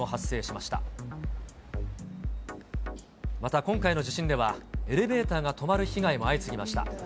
また、今回の地震ではエレベーターが止まる被害も相次ぎました。